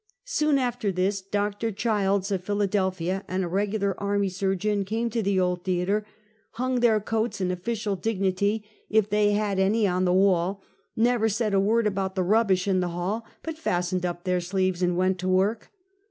Soon after this. Dr. Childs, of Philadelphia, and a regular army surgeon, came to the old theater, hung their coats and official dignity, if they had any, on the wall — never said a word about the rubbish in the hall, but fastened up their sleeves and went to work.